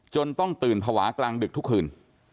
ต้องตื่นภาวะกลางดึกทุกคืน